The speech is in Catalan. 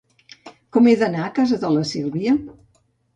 Com he d'anar a casa de la Sílvia?